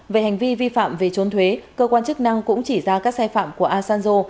về hành vi vi phạm về trốn thuế cơ quan chức năng cũng chỉ ra các sai phạm của asanjo